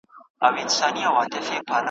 پر دې لاره مي پل زوړ سو له کاروان سره همزولی ,